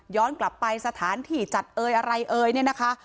กลับไปสถานที่จัดเอ่ยอะไรเอ่ยเนี่ยนะคะ